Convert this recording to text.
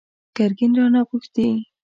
ګرګين رانه غوښتي!